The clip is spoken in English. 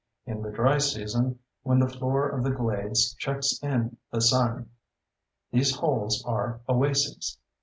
In the dry season, when the floor of the glades checks in the sun, these holes are oases.